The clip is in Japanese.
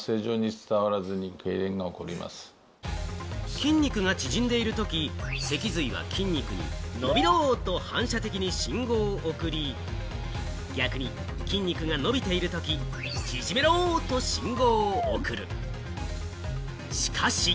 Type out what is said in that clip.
筋肉が縮んでいるとき、脊髄は筋肉に伸びろ！と反射的に信号を送り、逆に筋肉が伸びているとき、縮めろ！と信号を送る。